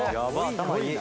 頭いい。